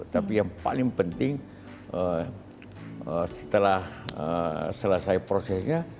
tapi yang paling penting setelah selesai prosesnya